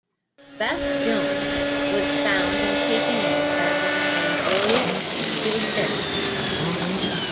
Bastion was found and taken in by a woman named Rose Gilberti.